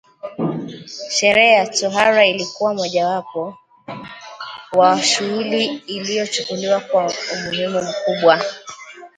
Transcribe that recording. Sherehe ya tohara ilikuwa mojawapo wa shughuli ilichukuliwa kwa umuhimu mkubwa